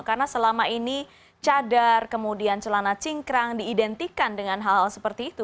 karena selama ini cadar kemudian celana cingkrang diidentikan dengan hal hal seperti itu